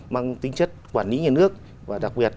mang tính chất quản lý nhà nước và đặc biệt